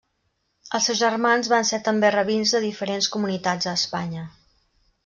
Els seus germans van ser també rabins de diferents comunitats a Espanya.